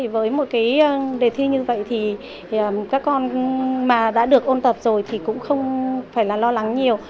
với một cái đề thi như vậy thì các con mà đã được ôn tập rồi thì cũng không phải là lo lắng nhiều